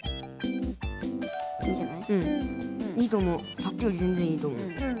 さっきよりぜんぜんいいと思う。